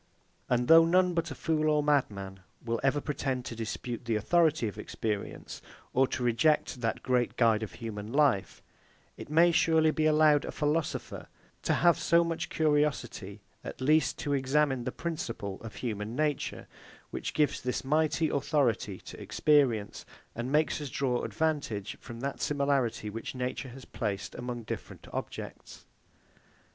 And though none but a fool or madman will ever pretend to dispute the authority of experience, or to reject that great guide of human life, it may surely be allowed a philosopher to have so much curiosity at least as to examine the principle of human nature, which gives this mighty authority to experience, and makes us draw advantage from that similarity which nature has placed among different objects.